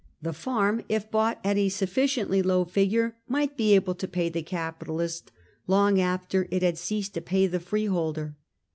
The farm, if bought at a suffici ently low figure, might be able to pay the capitalist long after it had ceased to pay the freeholder.